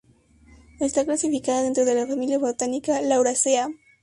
Está clasificada dentro de la familia botánica Lauraceae.